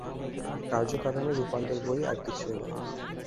কার্য কারণের রূপান্তর বৈ আর কিছুই নয়।